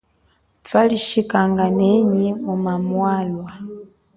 Twali chikanga nenyi mu mamwalwa.